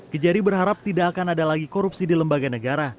kejari berharap tidak akan ada lagi korupsi di lembaga negara